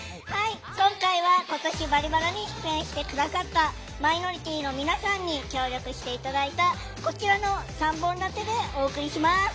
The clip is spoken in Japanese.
今回は今年「バリバラ」に出演してくださったマイノリティーの皆さんに協力していただいたこちらの３本立てでお送りします。